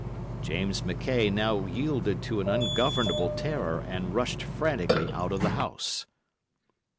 James McKaye now yielded to an ungovernable terror and rushed frantically out of the house.